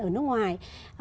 ở nước ngoài